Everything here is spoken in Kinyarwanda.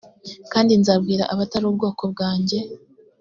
kandi nzabwira abatari ubwoko bwanjye